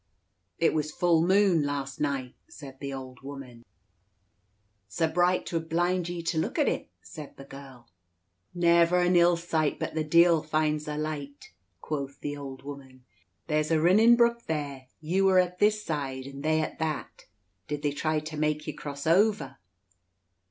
"It was full moon last night," said the old woman. "Sa bright 'twould blind ye to look at it," said the girl. "Never an ill sight but the deaul finds a light," quoth the old woman. "There's a rinnin brook thar you were at this side, and they at that; did they try to mak ye cross over?"